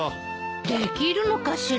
できるのかしら？